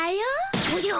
おじゃ！